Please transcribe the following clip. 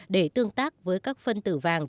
để tương tác với các phân tử vàng